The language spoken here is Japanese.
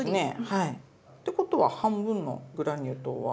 てことは半分のグラニュー糖は。